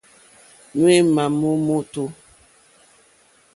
Ŋwěémá mó mòtò.